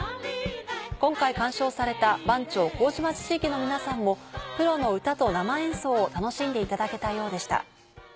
今回観賞された番町麹町地域の皆さんもプロの歌と生演奏を楽しんでいただけたようでした。